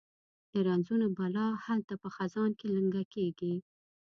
د رنځونو بلا هلته په خزان کې لنګه کیږي